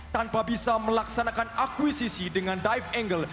tanpa bisa melaksanakan akuisisi dengan dive angle